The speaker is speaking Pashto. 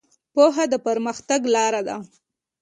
پوهه د پرمختګ لاره ده.